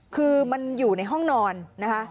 คือมันอยู่ในห้องนอนนะคะ